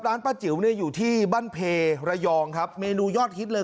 ร้านป้าจิ๋วเนี่ยอยู่ที่บ้านเพระยองครับเมนูยอดฮิตเลย